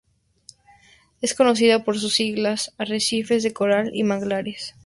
Es conocida por sus islas, arrecifes de coral y manglares.